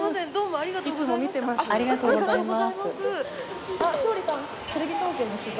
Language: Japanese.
ありがとうございます。